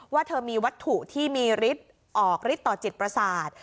ว่าเธอมีวัตถุที่มีฤทธิ์ออกฤทธิต่อจิตประสาท